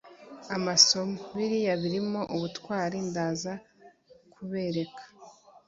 amasomo, biriya birimo ubutwari ndaza kubereka